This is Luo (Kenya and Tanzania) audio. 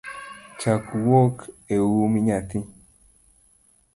Chak wuok eum nyathi